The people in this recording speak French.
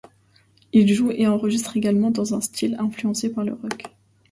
Il joue et enregistre également dans un style influencé par le rock.